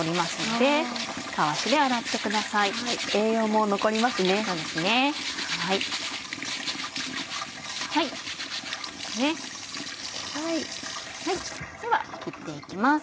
では切って行きます。